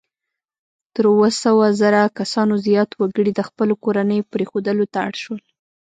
تر اووه سوه زره کسانو زیات وګړي د خپلو کورنیو پرېښودلو ته اړ شول.